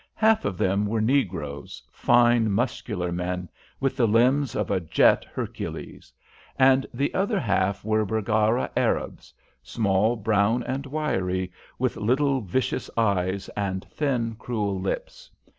Half of them were negroes fine, muscular men, with the limbs of a jet Hercules; and the other half were Baggara Arabs small, brown, and wiry, with little, vicious eyes, and thin, cruel lips.